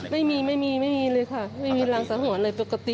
ไม่มีไม่มีเลยค่ะไม่มีรังสังหรณ์อะไรปกติ